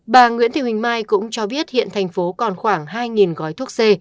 bà nguyễn thị huỳnh mai cũng cho biết hiện thành phố còn khoảng hai gói thuốc c